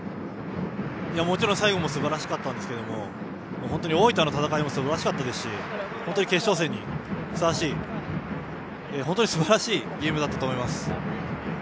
もちろん、最後もすばらしかったんですが本当に大分の戦いもすばらしかったですし決勝戦にふさわしい本当にすばらしいゲームだったと思います。